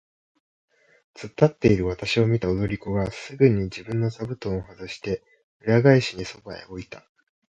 つっ立っているわたしを見た踊り子がすぐに自分の座布団をはずして、裏返しにそばへ置いた。